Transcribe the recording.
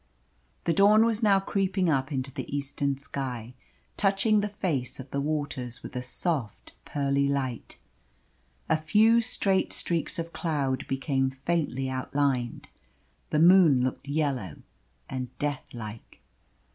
The dawn was now creeping up into the eastern sky, touching the face of the waters with a soft, pearly light. A few straight streaks of cloud became faintly outlined. The moon looked yellow and deathlike.